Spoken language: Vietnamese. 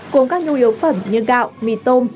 cuốn các nhu yếu phẩm như gạo mì tôm